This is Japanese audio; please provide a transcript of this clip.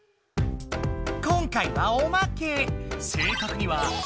今回はおまけ！